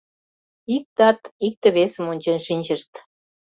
Ик тат икте-весым ончен шинчышт.